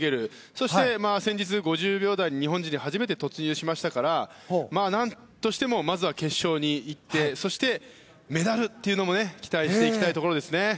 そして、先日５０秒台日本人で初めて突入しましたから何としてもまずは決勝にいってそして、メダルというのも期待していきたいところですね。